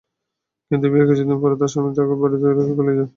কিন্তু বিয়ের কিছুদিন পরে তাঁর স্বামী তাঁকে বাড়িতে রেখে পালিয়ে যান।